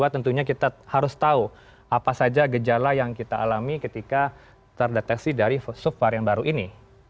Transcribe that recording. tentunya kita harus tahu apa saja gejala yang kita alami ketika terdeteksi dari subvarian baru ini